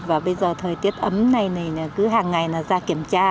và bây giờ thời tiết ấm này thì cứ hàng ngày là ra kiểm tra